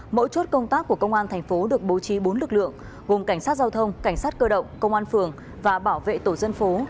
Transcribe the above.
mỗi chốt công tác của công an thành phố được bố trí bốn lực lượng gồm cảnh sát giao thông cảnh sát cơ động công an phường và bảo vệ tổ dân phố